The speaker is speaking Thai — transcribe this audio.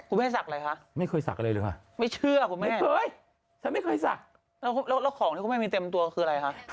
คุณแม่ศักดิ์อะไรคะไม่เคยศักดิ์อะไรเลยหรือเปล่า